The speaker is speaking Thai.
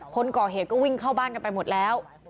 คนก่อเหตุก็วิ่งเข้าบ้านกันไปหมดแล้ว